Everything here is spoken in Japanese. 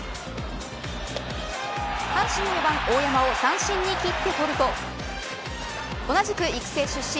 阪神の４番、大山を三振に斬って取ると同じく育成出身